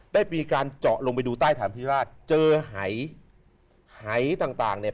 ได้มีการเจาะลงไปดูใต้ฐานพิราชเจอหายหายต่างต่างเนี่ย